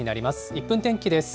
１分天気です。